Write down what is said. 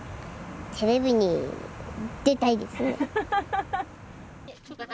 テレビに出たいですね！